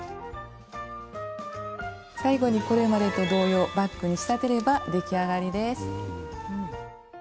最後にこれまでと同様バッグに仕立てれば出来上がりです。